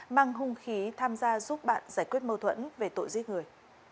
mang hung khí tham gia giúp bạn giải quyết mâu thuẫn về tội giết người